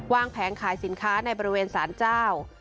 แผงขายสินค้าในบริเวณสารเจ้า